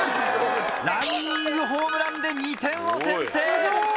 ランニングホームランで２点を先制！